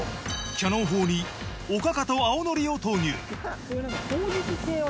キャノン砲におかかと青のりを投入